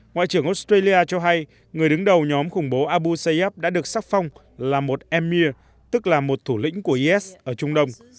ngoại trưởng australia cho hay người đứng đầu nhóm khủng bố abu sayab đã được xác phong là một emmir tức là một thủ lĩnh của is ở trung đông